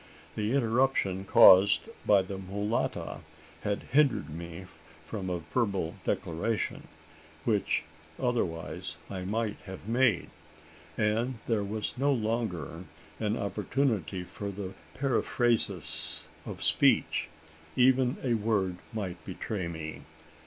The interruption caused by the mulatta had hindered me from a verbal declaration, which otherwise I might have made; and there was no longer an opportunity for the periphrasis of speech. Even a word might betray me.